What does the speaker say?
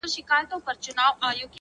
هره لحظه د بدلون نوې دروازه ده.!